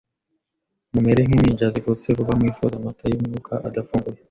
mumere nk'impinja zivutse vuba, mwifuze amata y'Umwuka adafunguye,